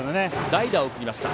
代打を送りました。